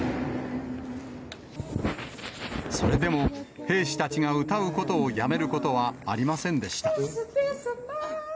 それでも兵士たちが歌うことをやめることはありませんでした。